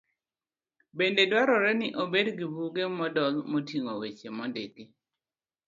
Bende dwarore ni obed gi buge modol moting'o weche mondiki.